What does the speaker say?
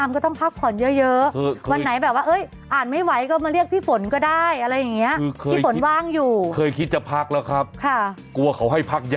ไม่เชื่อว่าหาเงินได้ไปให้คุณหมอหมด